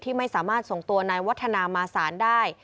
ไม่สามารถส่งตัวนายวัฒนามาสารได้